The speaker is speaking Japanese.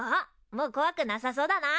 もうこわくなさそうだな。